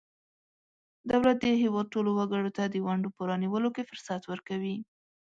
دولت د هیواد ټولو وګړو ته د ونډو په رانیولو کې فرصت ورکوي.